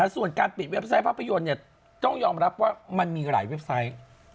ส่วนการปิดเว็บไซต์ภาพยนตร์ต้องยอมรับว่ามันมีหลายเว็บไซต์